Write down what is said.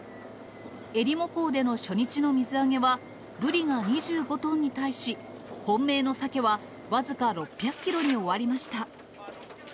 えりも港での初日の水揚げは、ブリが２５トンに対し、本命のサケは僅か６００キロに終わりました。